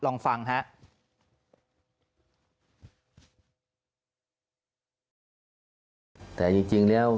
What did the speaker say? หวังว่าจะเปลี่ยนจากฐานสีดำเป็นทองสีเหลืองนั่นเองครับ